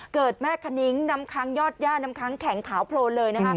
เกิดแม่คณิ้งน้ำค้างยอดย่าน้ำค้างแข็งขาวโพลนเลย